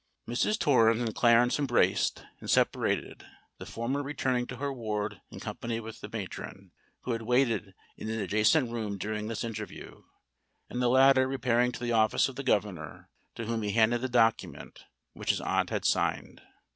Mrs. Torrens and Clarence embraced and separated; the former returning to her ward in company with the matron, who had waited in an adjacent room during this interview;—and the latter repairing to the office of the governor, to whom he handed the document which his aunt had signed.